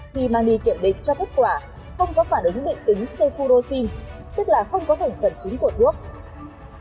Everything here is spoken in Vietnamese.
khi mang đi kiểm định cho kết quả không có phản ứng bị tính sephurosin tức là không có hình phẩm chính của thuốc